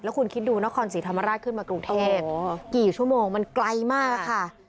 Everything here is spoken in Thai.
คุณคิดดูนครศรีธรรมราชขึ้นมากรุงเทพกี่ชั่วโมงมันไกลมากค่ะ